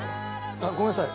あっごめんなさい。